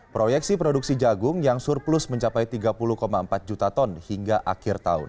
proyeksi produksi jagung yang surplus mencapai tiga puluh empat juta ton hingga akhir tahun